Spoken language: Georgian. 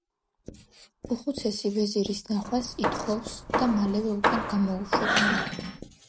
უხუცესი ვეზირის ნახვას ითხოვს და მალევე უკან გამოუშვებსო.